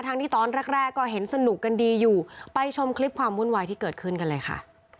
ที่ตอนแรกแรกก็เห็นสนุกกันดีอยู่ไปชมคลิปความวุ่นวายที่เกิดขึ้นกันเลยค่ะ